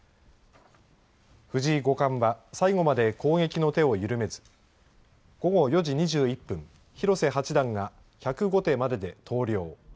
藤井五冠は最後まで攻撃の手を緩めず午後４時２１分広瀬八段が１０５手までで投了。